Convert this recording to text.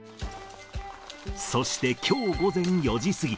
そして、きょう午前４時過ぎ。